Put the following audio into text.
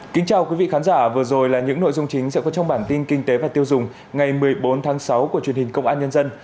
kính chào quý vị khán giả vừa rồi là những nội dung chính sẽ có trong bản tin kinh tế và tiêu dùng ngày một mươi bốn tháng sáu của truyền hình công an nhân dân